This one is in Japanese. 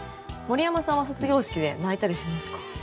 森山さんは卒業式で泣いたりしますか？